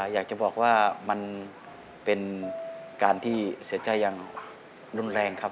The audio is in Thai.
อยากจะบอกว่ามันเป็นการที่เสียใจอย่างรุนแรงครับ